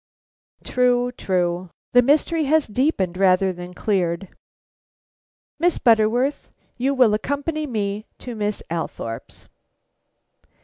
"True, true. The mystery has deepened rather than cleared. Miss Butterworth, you will accompany me to Miss Althorpe's."